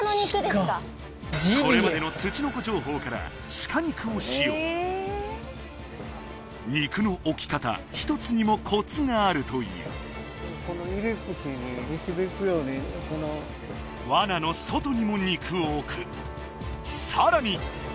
これまでのツチノコ情報から鹿肉を使用肉の置き方ひとつにもコツがあるという罠の外にも肉を置くさらに！